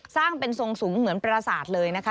สร้างเป็นทรงสูงเหมือนประสาทเลยนะคะ